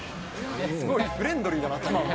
すごいフレンドリーだな、タマは。